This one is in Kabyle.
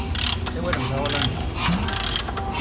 Tessawalem tahulandit?